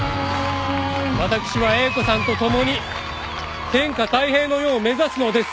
私は英子さんと共に天下泰平の世を目指すのです。